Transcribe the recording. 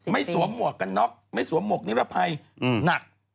สวมหมวกกันน็อกไม่สวมหมวกนิรภัยหนัก